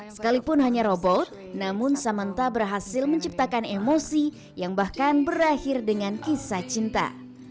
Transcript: sekalipun hanya robot namun samanta berhasil menciptakan emosi yang bahkan berakhir dengan kisah cinta